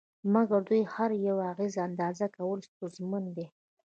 مګر د دوی د هر یوه اغېز اندازه کول ستونزمن دي